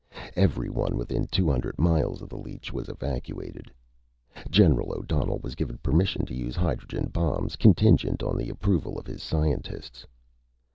Everyone within two hundred miles of the leech was evacuated. General O'Donnell was given permission to use hydrogen bombs, contingent on the approval of his scientists.